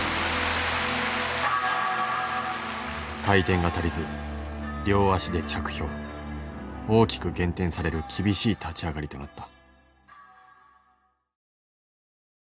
回転が足りず両足で着氷。大きく減点される厳しい立ち上がりとなった。